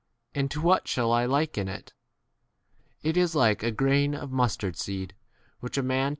and to what 19 shall I liken it ? It is like a grain of mustard seed which a man took liver.'